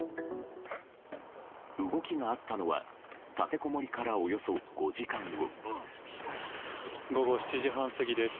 動きがあったのは立てこもりからおよそ５時間後。